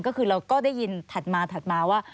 ก็คือเราก็ได้ยินถัดมาว่า